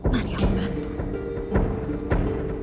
mari aku bantu